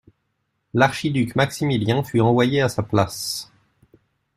L'archiduc Maximilien fut envoyé à sa place.